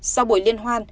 sau buổi liên hoàn